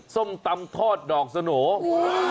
ส้มตำทอดดอกสโหน่